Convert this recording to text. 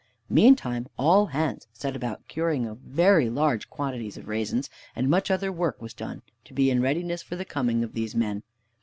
Meantime, all hands set about the curing of very large quantities of raisins, and much other work was done to be in readiness for the coming of these men.